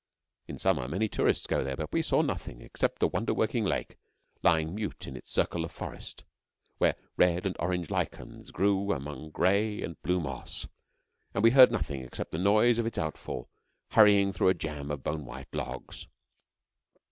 In summer many tourists go there, but we saw nothing except the wonderworking lake lying mute in its circle of forest, where red and orange lichens grew among grey and blue moss, and we heard nothing except the noise of its outfall hurrying through a jam of bone white logs.